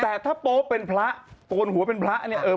แต่ถ้าโป๊เป็นพระโกนหัวเป็นพระเนี่ย